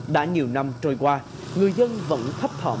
đã nhiều năm trôi qua người dân vẫn thấp thỏ